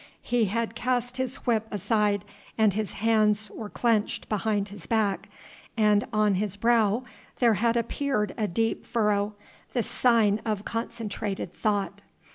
He had cast his whip aside and his hands were clenched behind his back, and on his brow there had appeared a deep furrow, the sign of concentrated thought.